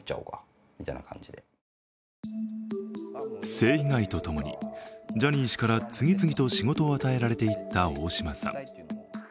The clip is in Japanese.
性被害とともにジャニー氏から次々と仕事を与えられていった大島さん。